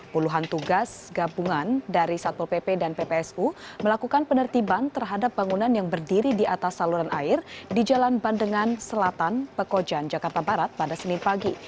puluhan tugas gabungan dari satpol pp dan ppsu melakukan penertiban terhadap bangunan yang berdiri di atas saluran air di jalan bandengan selatan pekojan jakarta barat pada senin pagi